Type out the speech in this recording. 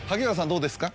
どうですか？